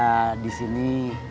orang orang yang bekerja di sini